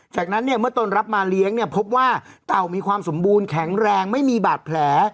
จากนั้นเนี่ยเมื่อตนรับมาเลี้ยงเนี่ยพบว่าเต่ามีความสมบูรณ์แข็งแรงไม่มีบาดแผล